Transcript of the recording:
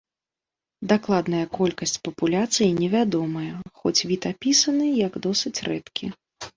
Дакладная колькасць папуляцыі не вядомая, хоць від апісаны, як досыць рэдкі.